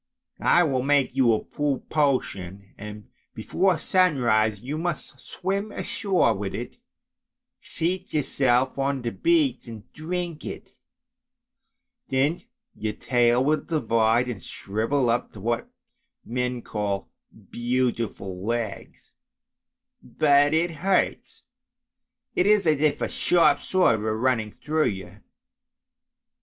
I will make you a potion, and before sunrise you must swim ashore with it, seat yourself on the beach and drink it; then your tail will divide and shrivel up to what men call beautiful legs, but it hurts, it is as if a sharp sword were running through you.